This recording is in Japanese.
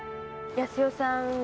康代さんが？